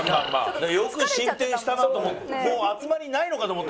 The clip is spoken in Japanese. よく進展したなと思って。